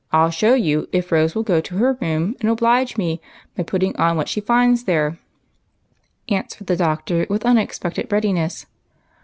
"I'll show you, if Rose will go to her room and oblige me by putting on what she finds there," answered the Doctor, with unexpected readiness.